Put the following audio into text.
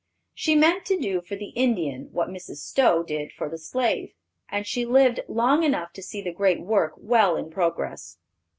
She meant to do for the Indian what Mrs. Stowe did for the slave, and she lived long enough to see the great work well in progress.